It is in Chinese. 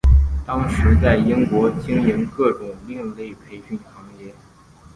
当时在英国经营各种另类培训行业。